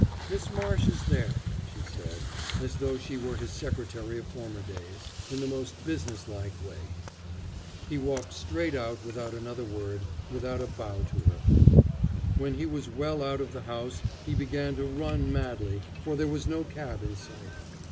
"Miss Marsh is there," she said, as though she were his secretary of former days, in the most business like way. He walked straight out without another word, without a bow to her. When he was well out of the house he began to run madly, for there was no cab in sight.